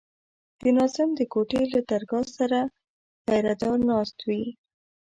د ناظم د کوټې له درګاه سره پيره دار ناست وي.